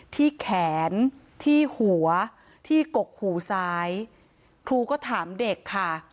ที่แขนที่หัวที่กกหูซ้ายครูก็ถามเด็กค่ะ